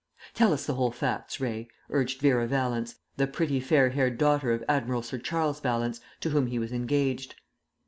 "Tell us the whole facts, Ray," urged Vera Vallance, the pretty fair haired daughter of Admiral Sir Charles Vallance, to whom he was engaged.